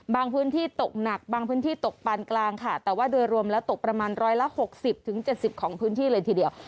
พื้นที่ตกหนักบางพื้นที่ตกปานกลางค่ะแต่ว่าโดยรวมแล้วตกประมาณ๑๖๐๗๐ของพื้นที่เลยทีเดียว